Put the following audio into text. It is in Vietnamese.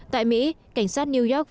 tại mỹ cảnh sát new york